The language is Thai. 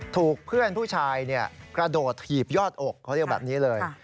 ถูกเพื่อนผู้ชายกระโดดถีบยอดอกเขาเรียกแบบนี้เลย